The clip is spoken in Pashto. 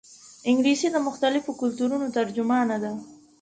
انګلیسي د مختلفو کلتورونو ترجمانه ده